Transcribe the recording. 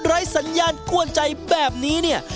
ไร้สัญญาณกวนใจแบบนี้เนี่ย